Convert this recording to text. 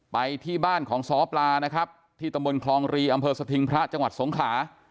ไปที่บ้านของซ้อปลานะครับที่ตำบลคลองรีอำเภอสถิงพระจังหวัดสงขลา